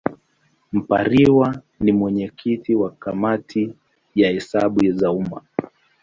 Mpariwa ni mwenyekiti wa Kamati ya Hesabu za Umma.